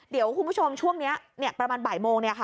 เดี๋ยวคุณผู้ชมช่วงนี้ประมาณบ่ายโมง